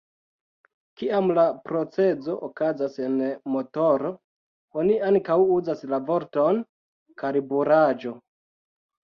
Kiam la procezo okazas en motoro, oni ankaŭ uzas la vorton karburaĵo.